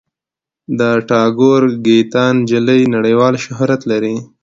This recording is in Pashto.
د ټاګور ګیتا نجلي نړیوال شهرت لري.